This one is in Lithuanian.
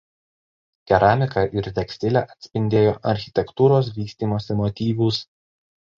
Keramika ir tekstilė atspindėjo architektūros vystymosi motyvus.